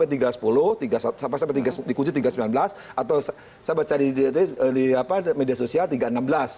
atau saya baca di media sosial tiga ratus enam belas